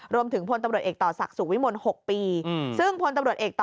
พลตำรวจเอกต่อศักดิ์สุขวิมล๖ปีซึ่งพลตำรวจเอกต่อ